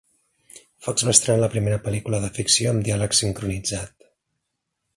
Fox va estrenar la primera pel·lícula de ficció amb diàleg sincronitzat.